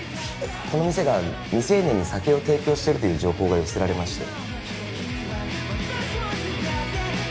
この店が未成年に酒を提供しているという情報が寄せられまして。